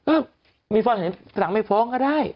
อื้อมีความเห็นสนังไม่พร้อมก็ได้